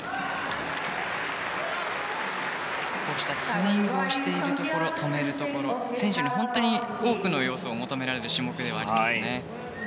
スイングをしているところ止めるところ選手に本当に多くの要素を求められる種目ではありますね。